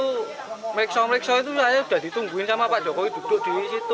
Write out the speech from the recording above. aku merekso merekso itu saya sudah ditungguin sama pak jokowi duduk di situ